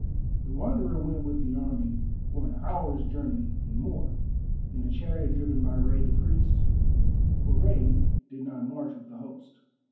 The Wanderer went with the army for an hour's journey and more, in a chariot driven by Rei the Priest, for Rei did not march with the host.